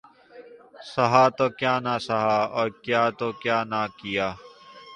سہا تو کیا نہ سہا اور کیا تو کیا نہ کیا